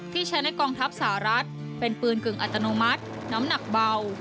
ที่ใช้ในกองทัพสหรัฐเป็นปืนกึ่งอัตโนมัติน้ำหนักเบา